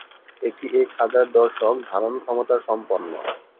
এটি এক হাজার দর্শক ধারণক্ষমতা সম্পন্ন।